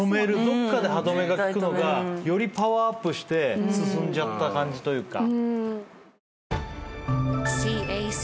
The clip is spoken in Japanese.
どっかで歯止めが利くのがよりパワーアップして進んじゃった感じというか。